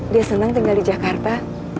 dia senang tinggal di jakarta